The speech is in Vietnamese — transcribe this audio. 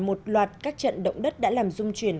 một loạt các trận động đất đã làm dung chuyển